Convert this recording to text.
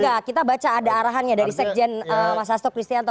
enggak kita baca ada arahannya dari sekjen mas hasto kristianto